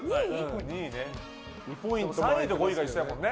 ３位と５位が一緒やもんね。